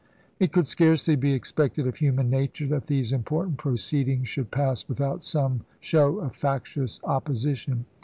It could scarcely be expected of human natui^e that these important proceedings should pass with out some show of factious opposition.